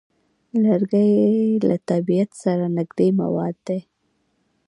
لرګی له طبیعت سره نږدې مواد دي.